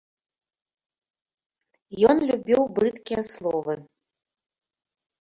Ён любіў брыдкія словы.